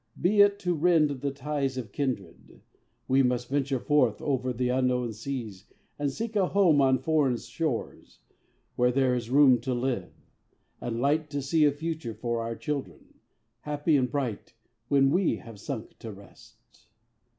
Be it to rend The ties of kindred, we must venture forth Over the unknown seas, and seek a home On foreign shores, where there is room to live, And light to see a future for our children, Happy and bright when we have sunk to rest."